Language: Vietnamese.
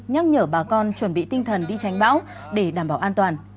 nhắc nhở bà con chuẩn bị tinh thần đi tránh bão để đảm bảo an toàn